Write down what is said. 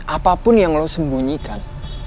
apapun yang lo sembunyikan